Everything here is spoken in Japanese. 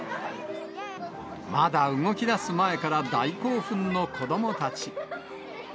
まだ動きだす前から大興奮の子どもたち。